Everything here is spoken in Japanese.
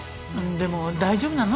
でも大丈夫なの？